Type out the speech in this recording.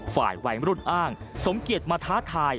ฝ่ายวัยมรุ่นอ้างสมเกียจมาท้าทาย